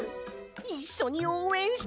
いっしょにおうえんして！